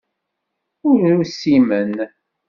Ur usimen.